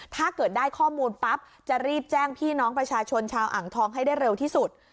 ถ้าเกิดได้ข้อมูลปั๊บจะรีบแจ้งพี่น้องประชาชนชาวอ่างทองให้ได้เร็วที่สุด